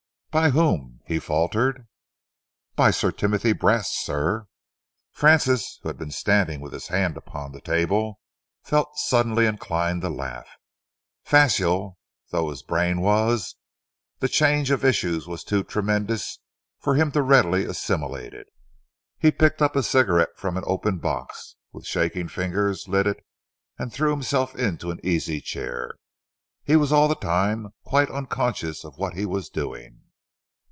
"By whom?" he faltered. "By Sir Timothy Brast, sir." Francis, who had been standing with his hand upon the table, felt suddenly inclined to laugh. Facile though his brain was, the change of issues was too tremendous for him to readily assimilate it. He picked up a cigarette from an open box, with shaking fingers, lit it, and threw himself into an easy chair. He was all the time quite unconscious of what he was doing.